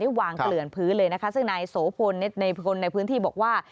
วางเกลื่อนพื้นเลยนะคะซึ่งนายโสพลในคนในพื้นที่บอกว่า